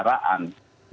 terhadap sebuah kendaraan